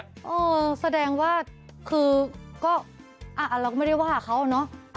เออแสดงว่าคือก็เราก็ไม่ได้ว่าเขาเนอะ